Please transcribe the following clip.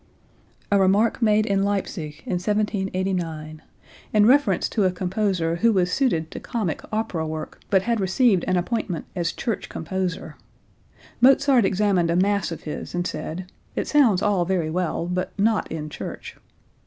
(A remark made in Leipsic, in 1789, in reference to a composer who was suited to comic opera work, but had received an appointment as Church composer. Mozart examined a mass of his and said: "It sounds all very well, but not in church."